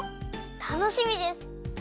たのしみです！